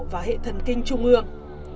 và hệ thần kinh trung ương